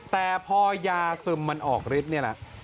แต่พอยาซึมมันออกฤทธิ์นี่แหละ